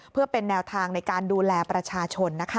เพื่อเป็นแนวทางในการดูแลประชาชน